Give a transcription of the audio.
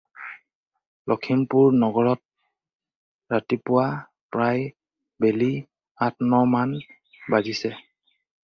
লক্ষীমপুৰ নগৰত ৰাতিপুৱা প্ৰায় বেলি আঠ-ন মান বাজিছে।